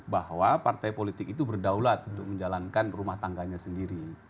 bahwa partai politik itu berdaulat untuk menjalankan rumah tangganya sendiri